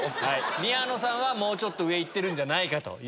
宮野さんはもうちょっと上いってるんじゃないかと。